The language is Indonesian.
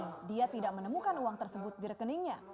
dan dia tidak menemukan uang tersebut di rekeningnya